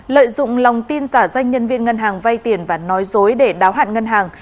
lợi dụng lòng tin giả danh nhân viên ngân hàng vay tiền và nói dối để đáo hạn ngân hàng